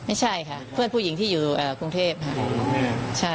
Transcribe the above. ไม่ใช่ค่ะเพื่อนผู้หญิงที่อยู่กรุงเทพค่ะ